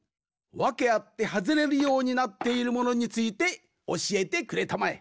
わけあってはずれるようになっているものについておしえてくれたまえ。